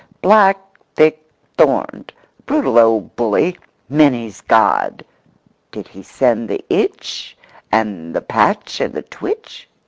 —black, thick, thorned—a brutal old bully—Minnie's God! Did he send the itch and the patch and the twitch?